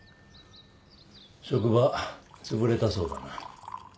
職場つぶれたそうだな。